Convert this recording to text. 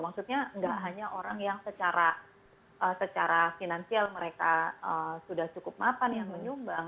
maksudnya nggak hanya orang yang secara finansial mereka sudah cukup mapan yang menyumbang